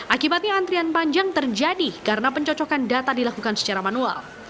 akibatnya antrian panjang terjadi karena pencocokan data dilakukan secara manual